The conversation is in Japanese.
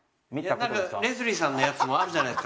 なんかレスリーさんのやつもあるじゃないですか。